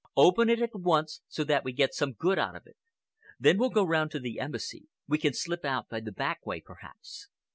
Open it at once so that we get some good out of it. Then we'll go round to the Embassy. We can slip out by the back way, perhaps.